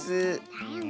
だよねえ。